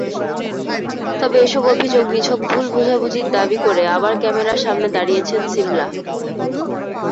তবে এসব অভিযোগ নিছক ভুল–বোঝাবুঝি দাবি করে আবার ক্যামেরার সামনে দাঁড়িয়েছেন সিমলা।